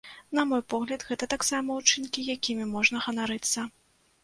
На мой погляд, гэта таксама ўчынкі, якімі можна ганарыцца.